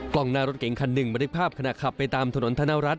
กล้องหน้ารถเก๋งคันหนึ่งบันทึกภาพขณะขับไปตามถนนธนรัฐ